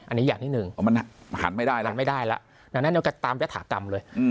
อันนี้อย่างนิดนึงหันไม่ได้แล้วตามยฐากรรมเลย